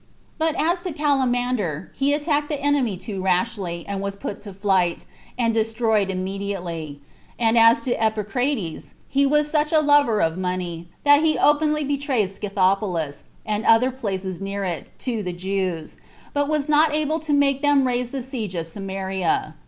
3. But as to Callimander, he attacked the enemy too rashly, and was put to flight, and destroyed immediately; and as to Epicrates, he was such a lover of money, that he openly betrayed Scythopolis, and other places near it, to the Jews, but was not able to make them raise the siege of Samaria.